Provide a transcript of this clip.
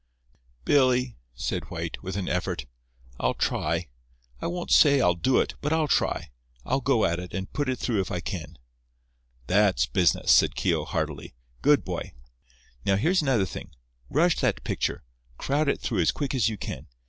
"Billy," said White, with an effort, "I'll try. I won't say I'll do it, but I'll try. I'll go at it, and put it through if I can." "That's business," said Keogh heartily. "Good boy! Now, here's another thing—rush that picture—crowd it through as quick as you can.